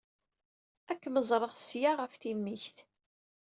Ad kem-ẓreɣ seg-a ɣef timikt.